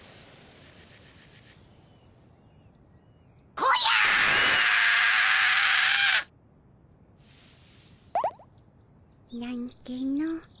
こりゃあ！なんての。